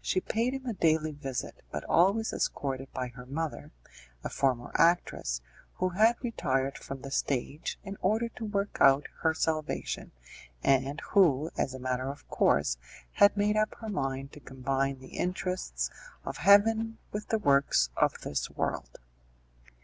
She paid him a daily visit, but always escorted by her mother, a former actress, who had retired from the stage in order to work out her salvation, and who, as a matter of course, had made up her mind to combine the interests of heaven with the works of this world.